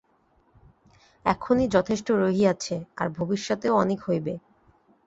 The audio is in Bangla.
এখনই যথেষ্ট রহিয়াছে, আর ভবিষ্যতেও অনেক হইবে।